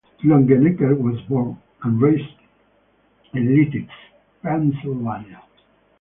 Longenecker was born and raised in Lititz, Pennsylvania.